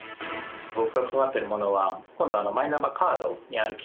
僕が関わってるものは今度。